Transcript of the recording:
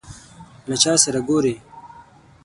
له چا سره ګورې ؟